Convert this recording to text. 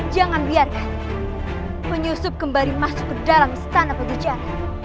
jangan biarkan penyusup kembali masuk ke dalam istana pekerjaan